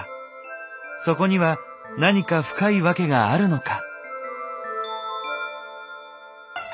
そこには何か深いワケがあるのか。